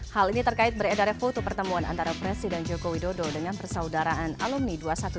hal ini terkait beredar foto pertemuan antara presiden joko widodo dengan persaudaraan alumni dua ratus dua belas